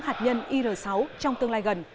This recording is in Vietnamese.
hạt nhân ir sáu trong tương lai gần